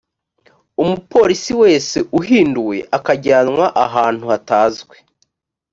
umupolisi wese uhinduwe akajyanwa ahantu hatazwi